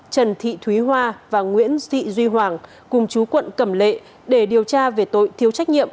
trần thị thúy hoa và nguyễn thị duy hoàng cùng chú quận cẩm lệ để điều tra về tội thiếu trách nhiệm